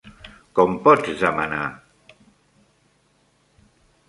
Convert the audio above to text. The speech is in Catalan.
Com pots demanar.?